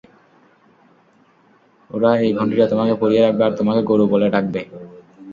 ওরা এই ঘণ্টিটা তোমাকে পরিয়ে রাখবে আর তোমাকে গরু বলে ডাকবে।